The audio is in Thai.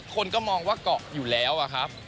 คนก็มองว่าเกาะอยู่แล้วอะครับ